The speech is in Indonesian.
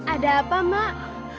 ada apa mak